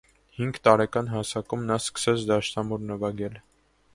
Հինգ տարեկան հասակում նա սկսեց դաշնամուր նվագել։